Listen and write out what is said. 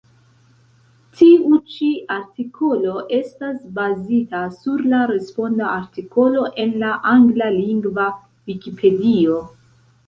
Tiu ĉi artikolo estas bazita sur la responda artikolo en la anglalingva Vikipedio.